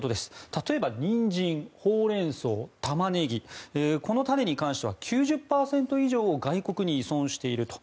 例えば、ニンジン、ホウレンソウタマネギこの種に関しては９０％以上を外国に依存していると。